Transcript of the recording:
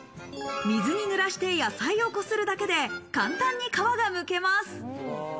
水に濡らして野菜をこするだけで、簡単に皮がむけます。